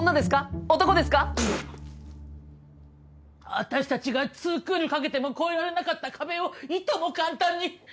私たちが２クールかけても越えられなかった壁をいとも簡単に！